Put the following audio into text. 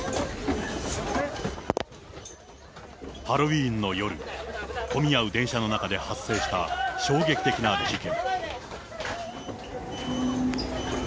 ハロウィーンの夜、混み合う電車の中で発生した衝撃的な事件。